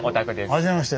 はじめまして。